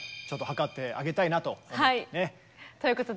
ちょっとはかってあげたいなと。